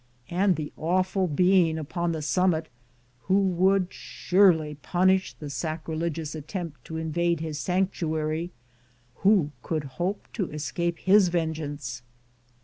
And the awful being upon the summit, who would surely punish the sacrilegious attempt to invade his sanctuary, — who could hope to escape his vengeance